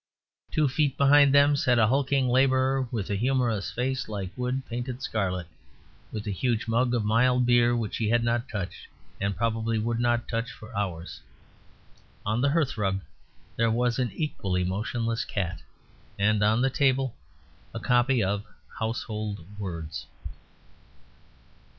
Two feet behind them sat a hulking labourer with a humorous face like wood painted scarlet, with a huge mug of mild beer which he had not touched, and probably would not touch for hours. On the hearthrug there was an equally motionless cat; and on the table a copy of 'Household Words'.